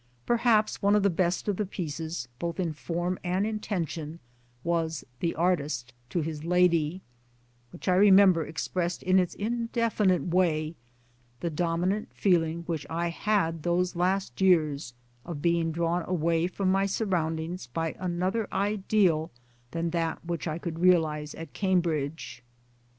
Perhaps one of the best of the pieces, both in form and intention, was " The Artist to his Lady ": which I remember expressed 1 in its indefinite way the dominant feeling which I had those last years, of being drawn away from my surroundings by another ideal than that which I could realize at Cambridge.